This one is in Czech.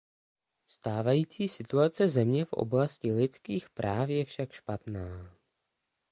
Stávající situace země v oblasti lidských práv je však špatná.